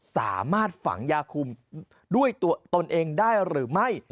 สามารถฝังยาคุมด้วยตัวตนเองได้หรือไม่